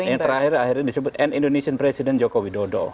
dan yang terakhir akhirnya disebut indonesian president jokowi dodo